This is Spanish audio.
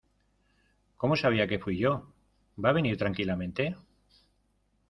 ¿ Cómo sabía que fui yo? ¿ va a venir tranquilamente ?